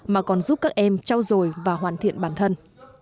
mà còn giúp các em trao dồi và hoàn thiện bản thân